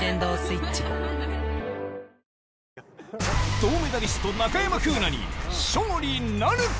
銅メダリスト、中山楓奈に勝利なるか。